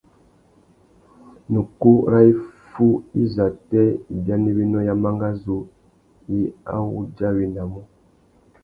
Nà ukú râ iffúh izâtê ibianéwénô ya mangazú i awudjawenamú?